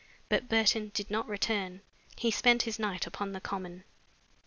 But Burton did not return. He spent his night upon the Common.